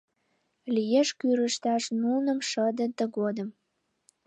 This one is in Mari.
Лиеш кӱрышташ нуным шыдын тыгодым.